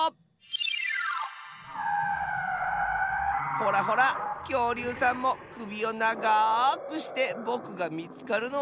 ほらほらきょうりゅうさんもくびをながくしてぼくがみつかるのをまってるッスよ。